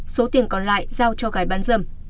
số tiền còn lại giao cho gái bán dâm